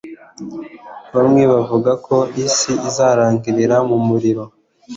Bamwe bavuga ko isi izarangirira mu muriro